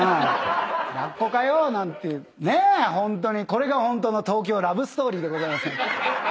これがホントの『東京ラブストーリー』でございますね。